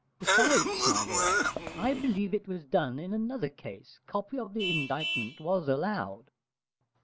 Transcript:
Besides, my lord, I believe it was done in another case: copy of the indictment was allowed.